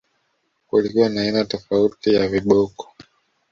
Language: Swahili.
Kulikuwa na aina tofauti ya viboko